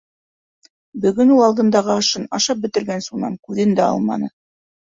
Бөгөн ул алдындағы ашын ашап бөтөргәнсе унан күҙен дә алманы.